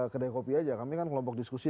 kedai kopi aja kami kan kelompok diskusi